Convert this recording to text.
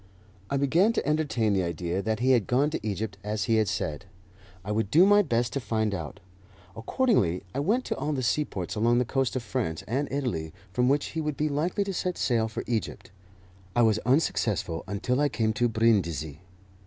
I began to entertain the idea that he had gone to Egypt as he had said. I would do my best to find out. Accordingly, I went to all the seaports along the coast of France and Italy from which he would be likely to set sail for Egypt. I was unsuccessful until I came to Brindisi.